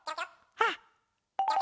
あっ！